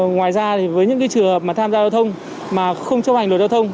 ngoài ra thì với những trường hợp mà tham gia giao thông mà không chấp hành luật giao thông